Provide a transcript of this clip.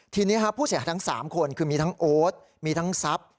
ทีนี้ผู้เสียหายทั้ง๓คนคือมีทั้งโอ๊ตมีทั้งทรัพย์